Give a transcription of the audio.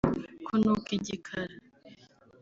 kunuka Igikara